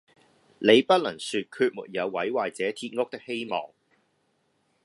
你不能說決沒有毀壞這鐵屋的希望。”